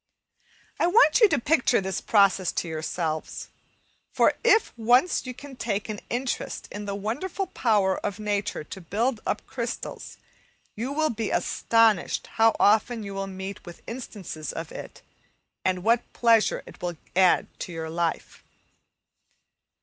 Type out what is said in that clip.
I want you to picture this process to yourselves, for if once you can take an interest in the wonderful power of nature to build up crystals, you will be astonished how often you will meet with instances of it, and what pleasure it will add to your life.